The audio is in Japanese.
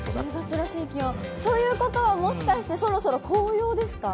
１０月らしい気温、ということは、もしかして、そろそろ紅葉ですか。